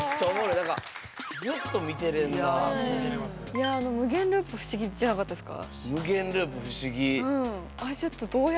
何かあの無限ループ不思議じゃなかったですか？